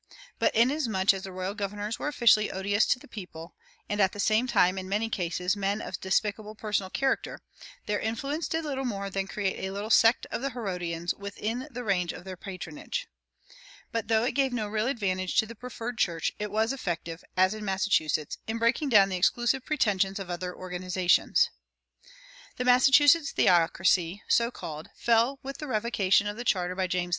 But inasmuch as the royal governors were officially odious to the people, and at the same time in many cases men of despicable personal character, their influence did little more than create a little "sect of the Herodians" within the range of their patronage. But though it gave no real advantage to the preferred church, it was effective (as in Massachusetts) in breaking down the exclusive pretensions of other organizations. The Massachusetts theocracy, so called, fell with the revocation of the charter by James II.